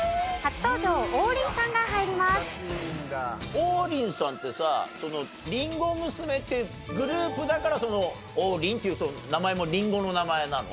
王林さんってさそのりんご娘ってグループだからその王林っていう名前もリンゴの名前なの？